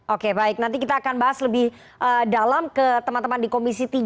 oke baik nanti kita akan bahas lebih dalam ke teman teman di komisi tiga